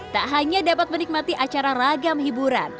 tak hanya dapat menikmati acara ragam hiburan